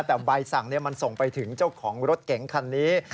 แต่ใบสั่งมันส่งไปถึงเจ้าของรถเก๋งคันนี้